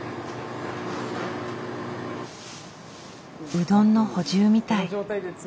うどんの補充みたい。